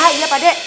hah iya pak dek